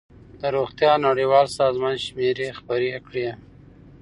د روغتیا نړیوال سازمان شمېرې خپرې کړې.